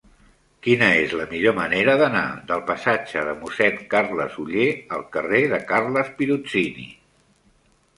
Quina és la millor manera d'anar del passatge de Mossèn Carles Oller al carrer de Carles Pirozzini?